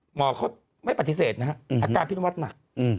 หมอเขาไม่ปฏิเสธนะครับอาการพี่นวัดหนัก